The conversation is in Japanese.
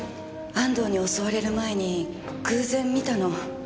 安藤に襲われる前に偶然見たの。